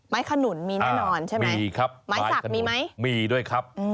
ไม้ขนุนมีแน่นอนใช่ไหมไม้สักมีไหมมีครับมีด้วยครับ